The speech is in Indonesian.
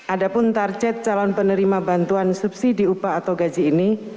ada pun target calon penerima bantuan subsidi upah atau gaji ini